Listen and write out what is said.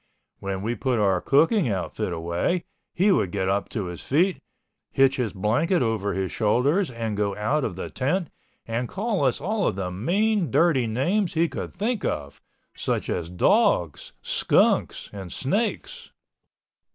When we put our cooking outfit away, he would get up on his feet, hitch his blanket over his shoulders and go out of the tent and call us all the mean dirty names he could think of, such as dogs, skunks and snakes.